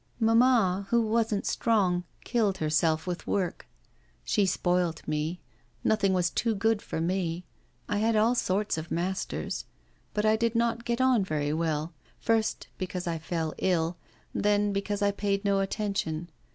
'Mamma, who wasn't strong, killed herself with work. She spoilt me; nothing was too good for me. I had all sorts of masters, but I did not get on very well; first, because I fell ill, then because I paid no attention.